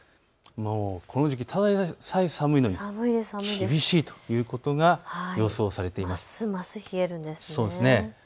この時期、ただでさえ寒いのに厳しいということが予想されています。